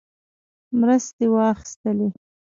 مرستې واخیستلې.